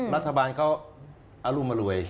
รัฐบาลเขาอรุมอรวย